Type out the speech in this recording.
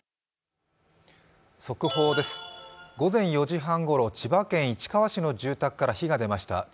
速報です、午前４時半ごろ千葉県市川市の住宅から火が出ました。